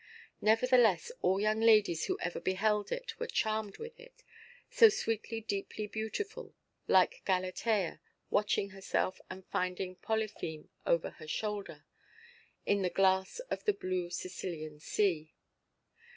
Nevertheless, all young ladies who ever beheld it were charmed with it, so sweetly deeply beautiful, like Galatea watching herself and finding Polypheme over her shoulder, in the glass of the blue Sicilian sea.